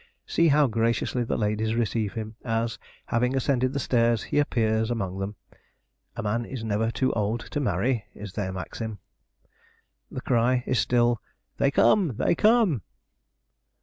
See how graciously the ladies receive him, as, having ascended the stairs, he appears among them. 'A man is never too old to marry' is their maxim. The cry is still, 'They come! they come!'